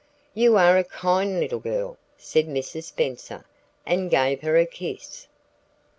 "You are a kind little girl," said Mrs. Spenser, and gave her a kiss.